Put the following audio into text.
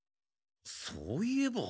そういえば。